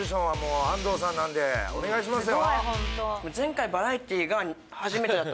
お願いしますよ。